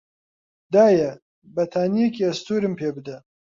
دایە، بەتانیێکی ئەستوورم پێ بدە.